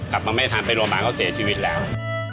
กลับมาไม่ทันไปโรงพยาบาลเขาเสียชีวิตแล้ว